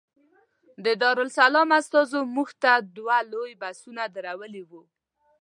د دارالسلام استازو موږ ته دوه لوی بسونه درولي وو.